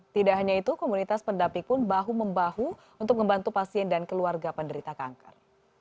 tidak hanya itu komunitas pendapi pun bahu membahu untuk membantu pasien dan keluarga penderita kanker